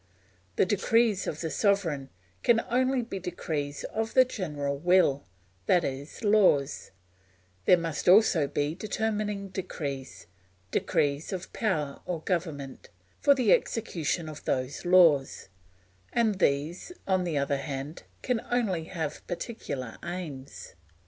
The decrees of the sovereign can only be decrees of the general will, that is laws; there must also be determining decrees, decrees of power or government, for the execution of those laws; and these, on the other hand, can only have particular aims.